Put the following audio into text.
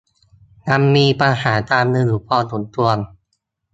ยังมีปัญหาการเงินอยู่พอสมควร